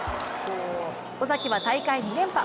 尾崎は大会２連覇。